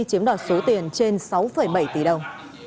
chiếm đoạt số tiền trên sáu bảy tỷ đồng